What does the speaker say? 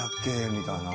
みたいな。